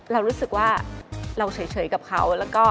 เรารู้สึกว่าเราเฉยกับเขา